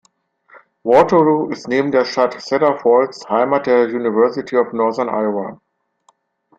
Waterloo ist neben der Stadt Cedar Falls, Heimat der University of Northern Iowa.